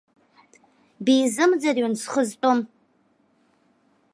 Бизымӡырҩын зхы зтәым!